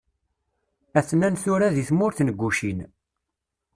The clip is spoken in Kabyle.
a-ten-an tura di tmurt n Gucin.